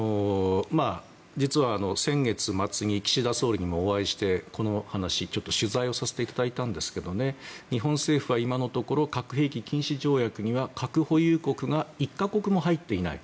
実は先月末に岸田総理にお会いしてこのお話取材させていただいたんですけど日本政府は今のところ核兵器禁止条約には核保有国は一国も入っていない。